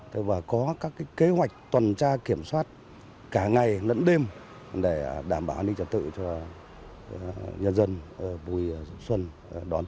tổ công tác tiến hành kiểm tra theo đúng quy định